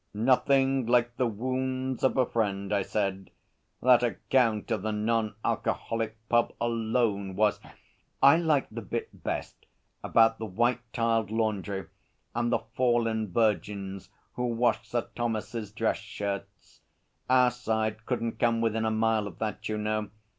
''Nothing like the wounds of a friend,' I said. 'That account of the non alcoholic pub alone was ' 'I liked the bit best about the white tiled laundry and the Fallen Virgins who wash Sir Thomas's dress shirts. Our side couldn't come within a mile of that, you know.